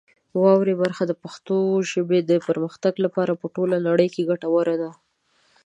واورئ برخه د پښتو ژبې د پرمختګ لپاره په ټوله نړۍ کې ګټوره ده.